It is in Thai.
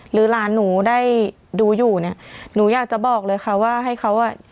หรือหลานหนูได้ดูอยู่เนี่ยหนูอยากจะบอกเลยค่ะว่าให้เขาอ่ะ